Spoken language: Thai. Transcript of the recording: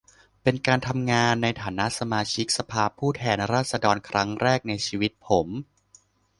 เป็นการทำงานในฐานะสมาชิกสภาผู้แทนราษฎรเป็นครั้งแรกในชีวิตผม